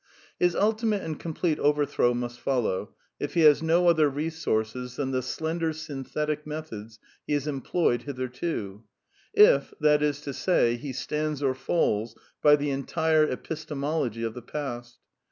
His ultimate and complete overthrow must follow if he has no other resources tha n the slend er synthetj he has employed hitherto; if, that is to say, he stands or falls by the entire epistemology of the past.